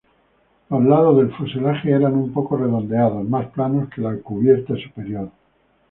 Los lados del fuselaje eran un poco redondeados, más planos que la cubierta superior.